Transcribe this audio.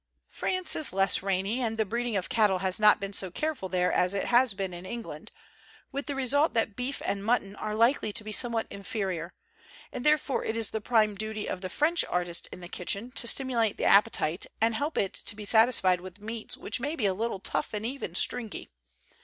COSMOPOLITAN COOKERY France is less rainy, and the breeding of cat tle has not been so careful there as it has been in England, with the result that beef and mut ton are likely to be somewhat inferior; and therefore it is the prime duty of the French artist in the kitchen to stimulate the appetite and help it to be satisfied with meats which may be a little tough and even stringy.